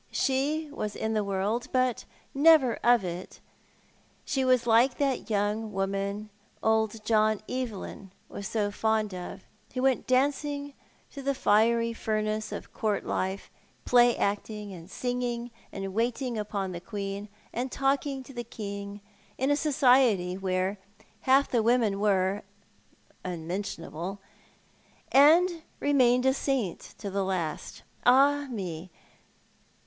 She was in the world, but never of it. She was like that young woman old John Evelyn was so fond of, who went dancing through the fiery furnace of Court life, play acting and singing, and waiting upon the Queen, and talking to the King, in a society where half the women were — unmentionable, and yet remained a saint to the last. Ah me